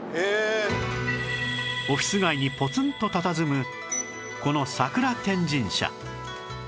オフィス街にポツンとたたずむこの桜天神社